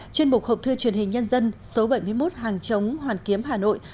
chuyên mục học thư truyền hình nhân dân số bảy mươi một hàng chống hoàn kiếm hà nội